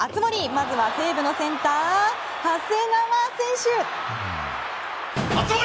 まずは西武のセンター長谷川選手。